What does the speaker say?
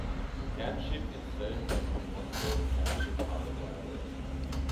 The township is served by the Vermontville Township Public Library.